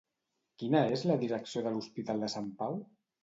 Quina és la direcció de l'Hospital de Sant Pau?